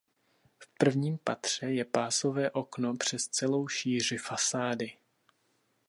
V prvním patře je pásové okno přes celou šíři fasády.